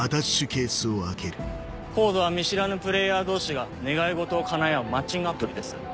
ＣＯＤＥは見知らぬプレーヤー同士が願いごとを叶え合うマッチングアプリです。